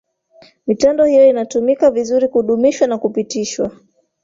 mitando hiyo inatumika vizuri kudumishwa na kupitishwa